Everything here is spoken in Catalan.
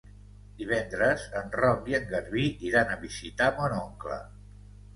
Divendres en Roc i en Garbí iran a visitar mon oncle.